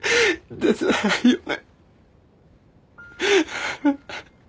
出てないよね。